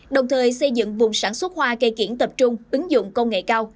đồng thời xây dựng vùng sản xuất hoa cây kiển tập trung ứng dụng công nghệ cao